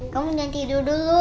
kamu nanti tidur dulu